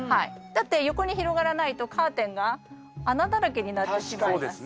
だって横に広がらないとカーテンが穴だらけになってしまいます。